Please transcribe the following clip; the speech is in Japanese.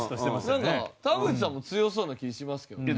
なんか田渕さんも強そうな気しますけどね。